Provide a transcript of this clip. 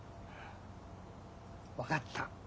分かった。